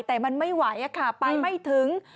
แต่มันไม่ไหวค่ะไปไม่ถึง